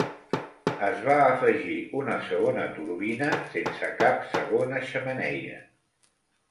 Es va afegir una segona turbina sense cap segona xemeneia.